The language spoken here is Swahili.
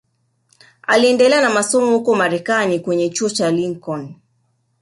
Aliendelea na masomo huko Marekani kwenye chuo cha Lincoln